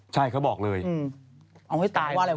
จากกระแสของละครกรุเปสันนิวาสนะฮะ